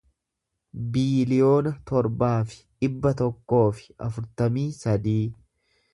biiliyoona torbaa fi dhibba tokkoo fi afurtamii sadii